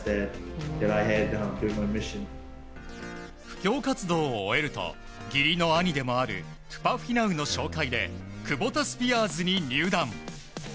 布教活動を終えると義理の兄でもあるトゥパフィナウの紹介でクボタスピアーズに入団。